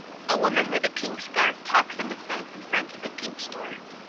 A woman with a pink scarf talks on the phone in front of a Pink store.